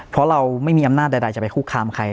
เพราะเราไม่มีอำนาจใดจะไปคุกคามใคร